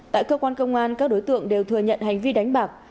tại cơ quan công an các đối tượng đều thừa nhận hành vi đánh bạc